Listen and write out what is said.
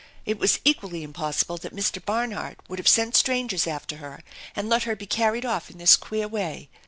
It was equally im possible that Mr. Barnard would have sent strangers after her and let her be carried off in this queer way.